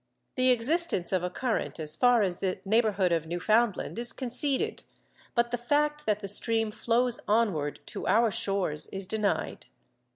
The existence of a current as far as the neighbourhood of Newfoundland is conceded, but the fact that the stream flows onward to our shores is denied.